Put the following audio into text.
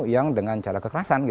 yang dengan cara kekerasan